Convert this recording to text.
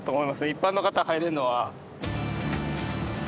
一般の方入れるのは。